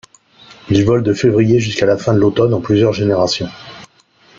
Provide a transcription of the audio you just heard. Il vole de février jusqu'à la fin de l'automne, en plusieurs générations.